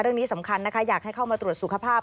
เรื่องนี้สำคัญนะคะอยากให้เข้ามาตรวจสุขภาพ